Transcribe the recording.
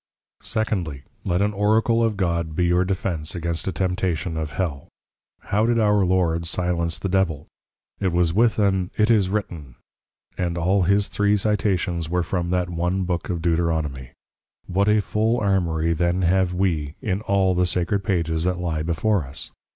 _ Secondly, Let an Oracle of God be your defence against a Temptation of Hell. How did our Lord silence the Devil? It was with an, It is written! And all his Three Citations were from that one Book of Deuteronomy. What a full Armoury then have we, in all the sacred Pages that lie before us?